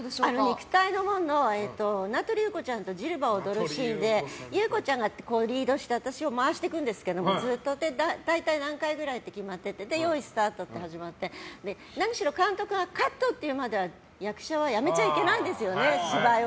「肉体の門」の名取裕子ちゃんとジルバを踊るシーンで裕子ちゃんがリードして私を回していくんですけど大体何回ぐらいって決まっててよーい、スタートって始まって何しろ監督がカットって言うまでは役者はやめちゃいけないんです芝居を。